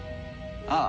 ああ。